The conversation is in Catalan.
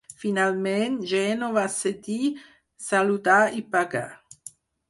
Finalment, Gènova cedí, saludà i pagà.